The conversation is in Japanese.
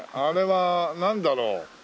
あれはなんだろう？